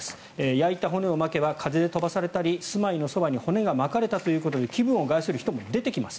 焼いた骨をまけば風で飛ばされたり住まいのそばに骨がまかれたということで気分を害する人も出てきます。